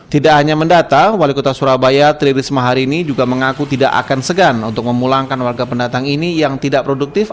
tidak hanya mendata wali kota surabaya tri risma hari ini juga mengaku tidak akan segan untuk memulangkan warga pendatang ini yang tidak produktif